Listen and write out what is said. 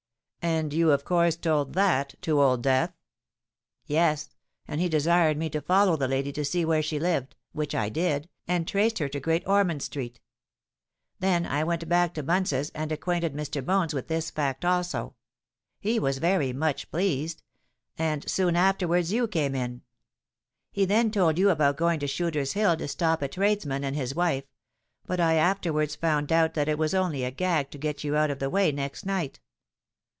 "And you of course told that to Old Death?" "Yes—and he desired me to follow the lady to see where she lived; which I did, and traced her to Great Ormond Street. Then I went back to Bunce's, and acquainted Mr. Bones with this fact also. He was very much pleased; and soon afterwards you came in. He then told you about going to Shooter's Hill to stop a tradesman and his wife; but I afterwards found out that it was only a gag to get you out of the way next night."